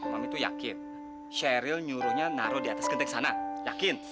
mami tuh yakin sheryl nyuruhnya naruh di atas genteng sana yakin